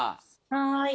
はい。